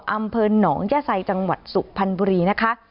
อ่ะอมเพลย์หนองแย่ไซ่จังหวัดสุภันท์บุรีนะคะ